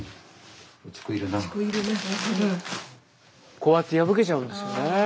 こうやって破けちゃうんですよね。